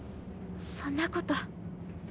そんなこと。